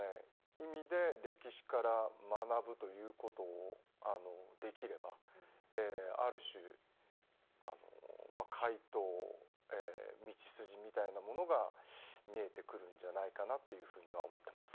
意味で歴史から学ぶということをできればある種解答道筋みたいなものが見えてくるんじゃないかなっていうふうには思ってます。